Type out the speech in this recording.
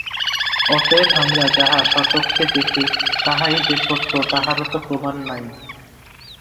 অতএব আমরা যাহা স্বচক্ষে দেখি, তাহাই যে সত্য, তাহারও তো প্রমাণ নাই।